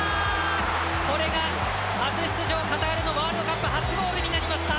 これが初出場カタールのワールドカップ初ゴールになりました！